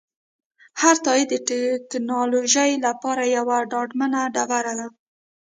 هر تایید د ټکنالوژۍ لپاره یوه ډاډمنه ډبره ده.